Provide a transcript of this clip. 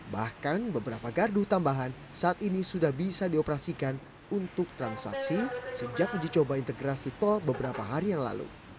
bahkan beberapa gardu tambahan saat ini sudah bisa dioperasikan untuk transaksi sejak uji coba integrasi tol beberapa hari yang lalu